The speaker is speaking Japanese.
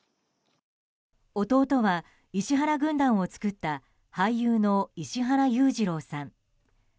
弟は石原軍団を作った俳優の石原裕次郎さん。